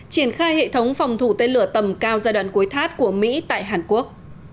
triển khai hệ thống phòng thủ tên lửa tầm cao giai đoạn cuối thắt của mỹ tại hàn quốc